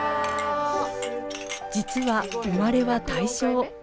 実は生まれは大正。